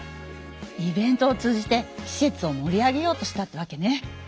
イベントを通じてしせつをもり上げようとしたってわけね。